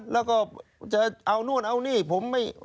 แล้วก็จะเอานู่นเอานี่ผมไม่